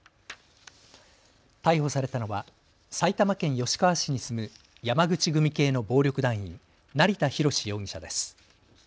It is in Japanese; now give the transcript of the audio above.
逮捕されたのは埼玉県吉川市に住む山口県組系の暴力団員、成田博守容疑者です。